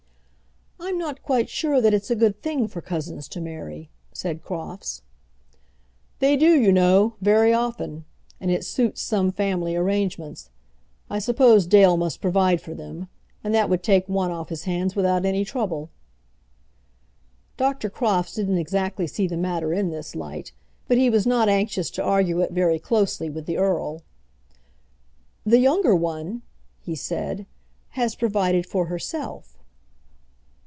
"I'm not quite sure that it's a good thing for cousins to marry," said Crofts. "They do, you know, very often; and it suits some family arrangements. I suppose Dale must provide for them, and that would take one off his hands without any trouble." Dr. Crofts didn't exactly see the matter in this light, but he was not anxious to argue it very closely with the earl. "The younger one," he said, "has provided for herself."